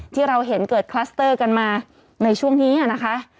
ที่เราเห็นเกิดคลัสเตอร์กันมาในช่วงนี้นะคะ